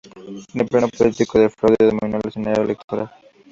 En el plano político, el fraude dominó el escenario electoral.